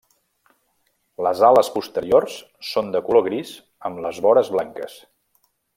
Les ales posteriors són de color gris amb les vores blanques.